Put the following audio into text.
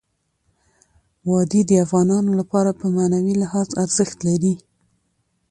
وادي د افغانانو لپاره په معنوي لحاظ ارزښت لري.